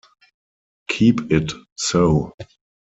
Keep it so.